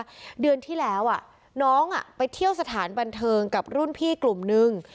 เดือนที่แล้วน้องไปเที่ยวสถานบันเทิงกับรุ่นพี่กลุ่มนึง